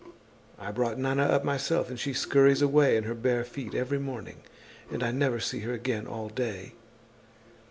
I brought Nana up myself and she scurries away in her bare feet every morning and I never see her again all day.